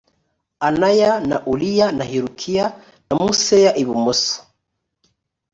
anaya na uriya na hilukiya na museya ibumoso